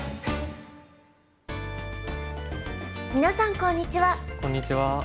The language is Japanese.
皆さんこんにちは。